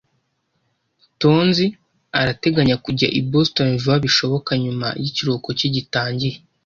Tonzi arateganya kujya i Boston vuba bishoboka nyuma yikiruhuko cye gitangiye.